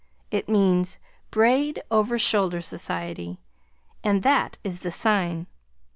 It means Braid Over Shoulder Society, and that is the sign.